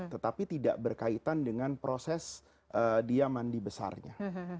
tetapi tidak berkaitan dengan proses dia mandi besarnya